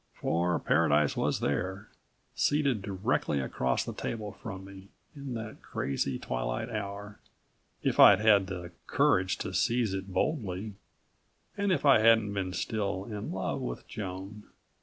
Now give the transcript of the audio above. For paradise was there, seated directly across the table from me, in that crazy twilight hour, if I'd had the courage to seize it boldly and if I hadn't been still in love with Joan.